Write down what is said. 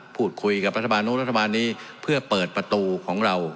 พูดคุยกับรัฐบาลนู้นรัฐบาลนี้เพื่อเปิดประตูของเรา